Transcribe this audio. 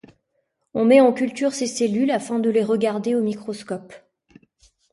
On met en culture ses cellules afin de les regarder au microscope.